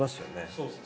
そうですね。